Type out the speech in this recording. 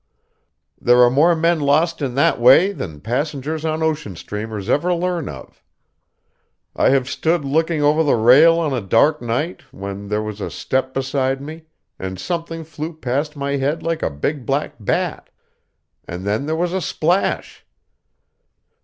There are more men lost in that way than passengers on ocean steamers ever learn of. I have stood looking over the rail on a dark night, when there was a step beside me, and something flew past my head like a big black bat and then there was a splash!